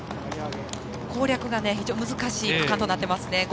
攻略が非常に難しい区間となっていますね。